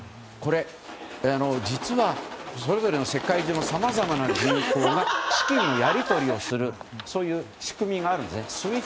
これ、実はそれぞれの世界中のさまざまな銀行が資金のやり取りをする仕組みがあるんです。